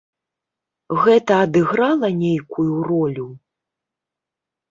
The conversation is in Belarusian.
Гэта адыграла нейкую ролю?